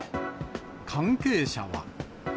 関係者は。